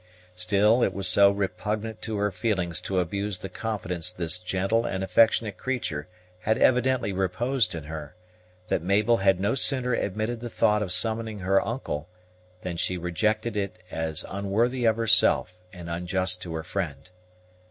Still it was so repugnant to her feelings to abuse the confidence this gentle and affectionate creature had evidently reposed in her, that Mabel had no sooner admitted the thought of summoning her uncle, than she rejected it as unworthy of herself and unjust to her friend.